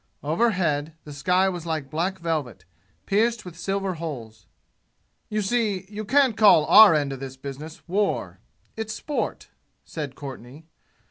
Overhead the sky was like black velvet, pierced with silver holes. "You see, you can't call our end of this business war it's sport," said Courtenay.